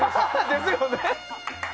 ですよね。